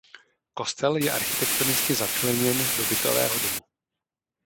Kostel je architektonicky začleněn do bytového domu.